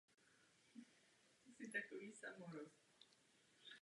Další fáze experimentu spočívala v zastrašování opic v kleci.